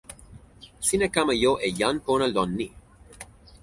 sina kama jo e jan pona lon ni.